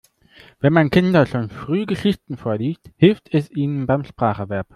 Wenn man Kindern schon früh Geschichten vorliest, hilft es ihnen beim Spracherwerb.